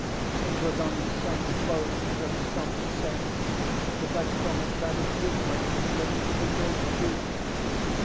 ŌĆ£It was on some bones of some Saints that I promised I would give my England to the Great Duke.